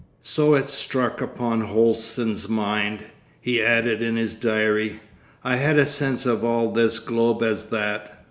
So it struck upon Holsten's mind. He added in his diary, 'I had a sense of all this globe as that....